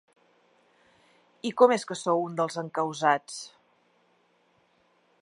I com és que sou un dels encausats?